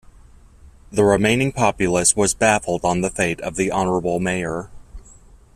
The remaining populace were baffled on the fate of the honorable mayor.